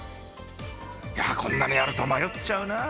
こんなにあると迷っちゃうなぁ。